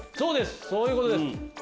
そういうことです。